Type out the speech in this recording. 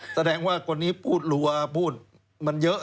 แสดงว่าคนนี้พูดรัวพูดมันเยอะ